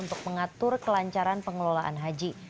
untuk mengatur kelancaran pengelolaan haji